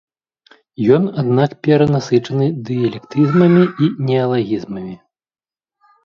Ён, аднак перанасычаны дыялектызмамі і неалагізмамі.